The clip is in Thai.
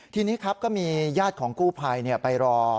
ทีนี้ครับก็มีญาติของกู้ภัยไปรอ